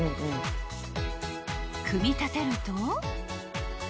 ［組み立てると］